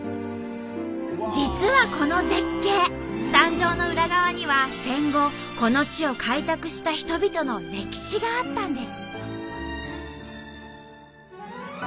実はこの絶景誕生の裏側には戦後この地を開拓した人々の歴史があったんです。